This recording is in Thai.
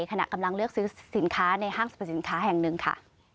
ขณะกำลังเลือกซื้อสินค้าในห้างสรรพสินค้าแห่งหนึ่งค่ะ